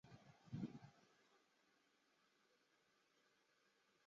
成为大联盟有史以来身高最高和体重最重的中外野手。